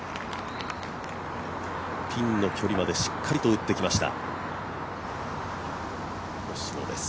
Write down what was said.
ピンの距離までしっかり打ってきました。